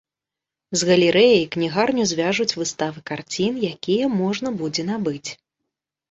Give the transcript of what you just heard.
З галерэяй кнігарню звяжуць выставы карцін, якія можна будзе набыць.